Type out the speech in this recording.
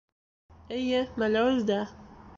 Эйе, Меләүездә